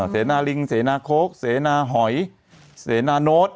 เสนาลิงเสนาโค้กเสนาหอยเสนาโน้ต